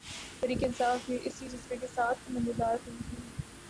تحریک انصاف بھی اسی جذبے کے ساتھ نمودار ہوئی تھی۔